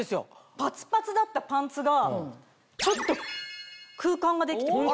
パツパツだったパンツがちょっと空間が出来て。